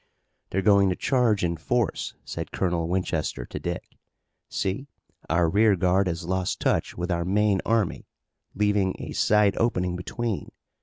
"They're going to charge in force," said Colonel Winchester to Dick. "See, our rearguard has lost touch with our main army, leaving a side opening between.